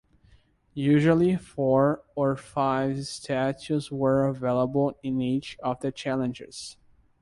Usually, four or five statues were available in each of the challenges.